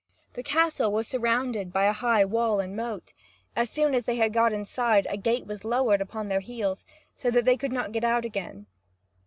The castle was surrounded by a high wall and moat. As soon as they had got inside, a gate was lowered upon their heels, so that they could not get out again.